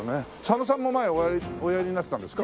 佐野さんも前おやりになってたんですか？